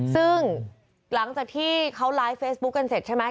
ซึ่งหลังจากที่เขาไลฟ์เฟซบุ๊คกันเสร็จใช่ไหม